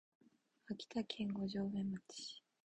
秋田県五城目町